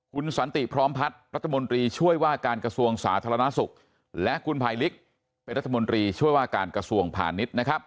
คุณสันติพร้อมพัฒน์รัฐมนตรีช่วยว่าการกระทรวงสาธารณสุขและคุณภัยลิกเป็นรัฐมนตรีช่วยว่าการกระทรวงพาณิชย์นะครับ